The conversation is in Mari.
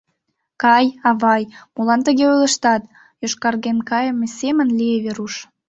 — Кай, авый, молан тыге ойлыштат, — йошкарген кайыме семын лие Веруш.